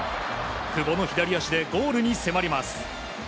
久保の左足でゴールに迫ります。